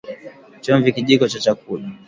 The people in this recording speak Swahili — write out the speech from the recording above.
Chumvi Kijiko cha chakula